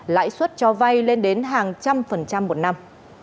lãi suất cho vay lên đến hàng trăm phần trăm một năm